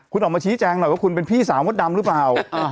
คุณออกมาชี้แจงหน่อยว่าคุณเป็นพี่สาวมดดำหรือเปล่า